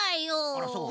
あらそう？